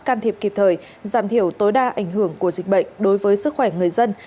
can thiệp kịp thời giảm thiểu tối đa ảnh hưởng của dịch bệnh đối với sức khỏe người dân